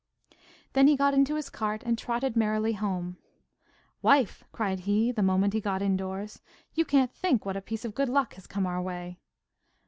Then he got into his cart and trotted merrily home. 'Wife!' cried he, the moment he got indoors. 'You can't think what a piece of good luck has come our way.